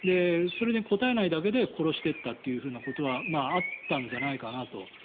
それに答えないだけで殺していったということはあったんじゃないかなと。